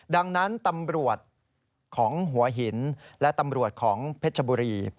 ดังนั้นตำรวจของหัวหินและตำรวจของเพชรบุรี